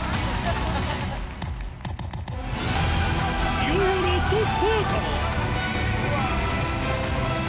いよいよラストスパート